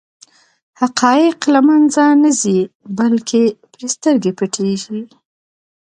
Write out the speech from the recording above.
حقایق له منځه نه ځي بلکې پرې سترګې پټېږي.